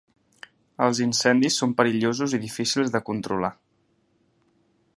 Els incendis són perillosos i difícils de controlar.